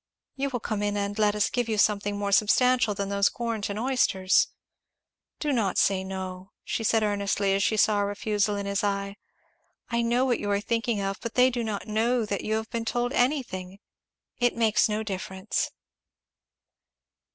You will come in and let us give you something more substantial than those Quarrenton oysters. Do not say no," she said earnestly as she saw a refusal in his eye, "I know what you are thinking of, but they do not know that you have been told anything it makes no difference."